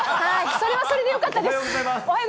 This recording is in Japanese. それはそれでよかったです。